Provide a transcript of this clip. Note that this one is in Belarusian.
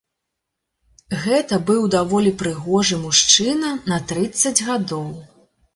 Гэта быў даволі прыгожы мужчына на трыццаць гадоў.